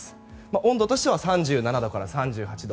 温度としては３７度から３８度。